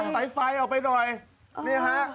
ตายไฟออกไปหน่อย